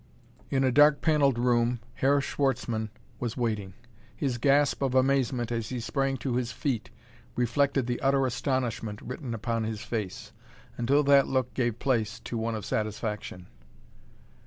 In a dark panelled room Herr Schwartzmann was waiting. His gasp of amazement as he sprang to his feet reflected the utter astonishment written upon his face, until that look gave place to one of satisfaction.